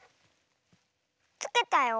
つけたよ。